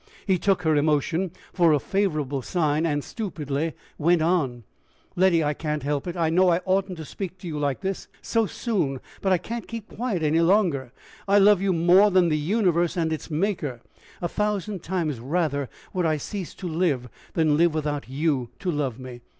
He took her emotion for a favorable sign, and stupidly went on: "Letty, I can't help it! I know I oughtn't to speak to you like this so soon, but I can't keep quiet any longer. I love you more than the universe and its Maker. A thousand times rather would I cease to live, than live without you to love me.